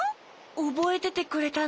おぼえててくれたの？